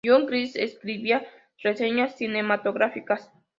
Judith Crist escribía reseñas cinematográficas.